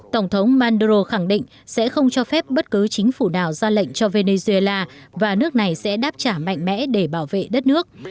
tổng thống manduro khẳng định sẽ không cho phép bất cứ chính phủ nào ra lệnh cho venezuela và nước này sẽ đáp trả mạnh mẽ để bảo vệ đất nước